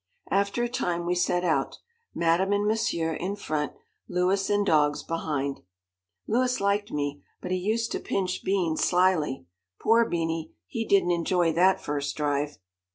After a time, we set out. Madame and Monsieur in front, Louis and dogs behind. Louis liked me, but he used to pinch Beans slyly. Poor Beanie, he didn't enjoy that first drive.